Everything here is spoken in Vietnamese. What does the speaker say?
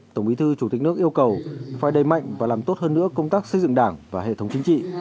tổng bí thư chủ tịch nước yêu cầu phải đầy mạnh và làm tốt hơn nữa công tác xây dựng đảng và hệ thống chính trị